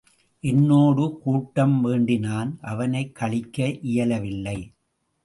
என்னோடு கூட்டம் வேண்டினான் அவனைக் கழிக்க இயலவில்லை.